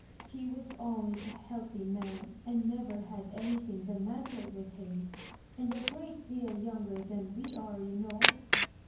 He was always a healthy man and never had anything the matter with him — ^aud a great deal younger than we are, you know.